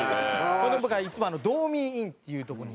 ほんで僕はいつもドーミーインっていうとこに。